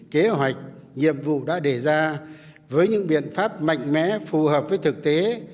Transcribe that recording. kế hoạch nhiệm vụ đã đề ra với những biện pháp mạnh mẽ phù hợp với thực tế